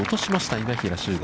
今平周吾。